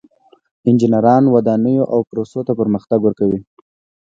انجینران ودانیو او پروسو ته پرمختګ ورکوي.